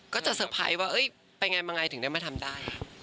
ก็จะเซอร์ไพรส์ว่าไปไงถึงได้มาทำได้